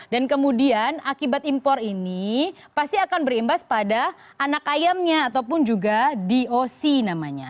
dan kemudian akibat impor ini pasti akan berimbas pada anak ayamnya ataupun juga doc namanya